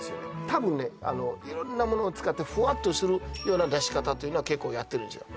多分ね色んなものを使ってふわっとするような出し方というのは結構やってるんですよ